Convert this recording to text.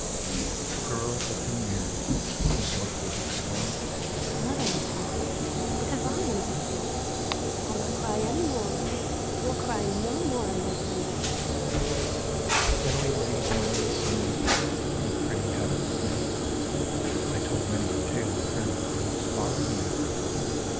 The girl looked in the mirror, and joyfully exclaimed : 66 The Face in the Mirror ' Mother is happy. Because I am happy. I'll not cry any more, You'll cry no more, my dear mother/ Then we lay down in the sunlight, With her pretty head on my knee. I told many a tale of fairy queens far and near.